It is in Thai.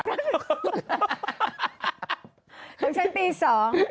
ของฉันตีสอง